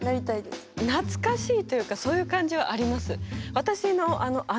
懐かしいというかそういう感じはあります。